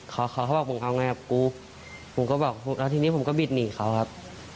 เขาเขาเขาบอกผมเอาไงกับกูผมก็บอกแล้วทีนี้ผมก็บิดหนีเขาครับ